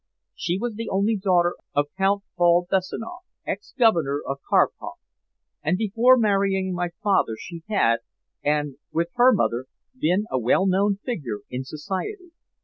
She was the only daughter of Count Paul Bessanoff, ex Governor of Kharkoff, and before marrying my father she had, with her mother, been a well known figure in society.